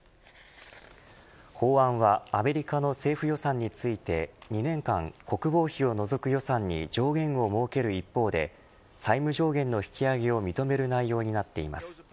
法案はアメリカの政府予算について２年間、国防費を除く予算に上限を設ける一方で債務上限の引き上げを認める内容になっています。